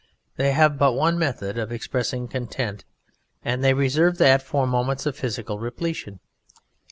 They have but one method of expressing content, and They reserve that for moments of physical repletion.